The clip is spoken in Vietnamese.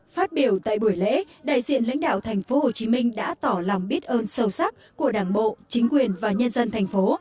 phát biểu tại buổi lễ đại diện lãnh đạo tp hcm đã tỏ lòng biết ơn sâu sắc của đảng bộ chính quyền và nhân dân thành phố